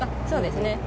そうですね。